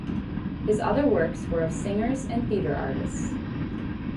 His other works were of singers and theater artists.